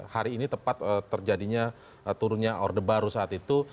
hari ini tepat terjadinya turunnya orde baru saat itu